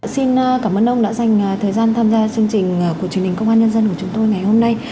xin cảm ơn ông đã dành thời gian tham gia chương trình của truyền hình công an nhân dân của chúng tôi ngày hôm nay